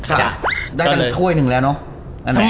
ก็ได้กับถ้วยหนึ่งแล้วเนาะ